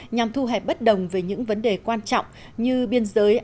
nhằm thu hẹp bất đồng về những vấn đề quan trọng như biên giới